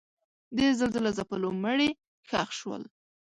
د زلزله ځپلو مړي ښخ شول.